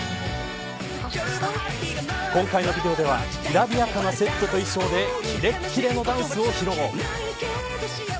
今回のビデオでは、きらびやかなセットと衣装でキレキレのダンスを披露。